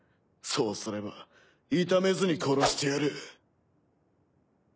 そうすれば痛めずに殺してやる。